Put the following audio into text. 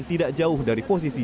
tidak jauh dari posisi